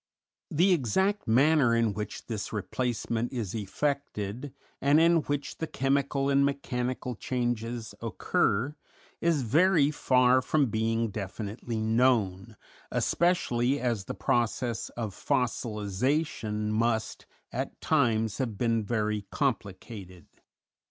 The exact manner in which this replacement is effected and in which the chemical and mechanical changes occur is very far from being definitely known especially as the process of "fossilization" must at times have been very complicated.